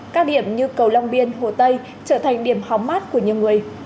các điểm như cầu long biên hồ tây trở thành điểm hóm mát của nhiều người